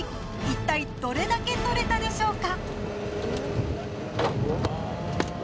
一体どれだけ獲れたでしょうか。